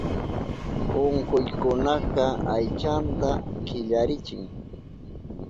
Unkuykunaka aychanta killarichin.